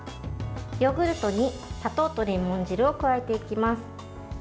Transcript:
ヨーグルトに砂糖とレモン汁を加えていきます。